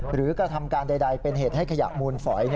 กระทำการใดเป็นเหตุให้ขยะมูลฝอย